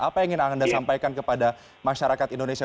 apa yang ingin anda sampaikan kepada masyarakat indonesia